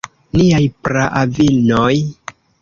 Niaj praavinoj.